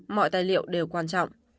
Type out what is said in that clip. mọi tài liệu đều quan trọng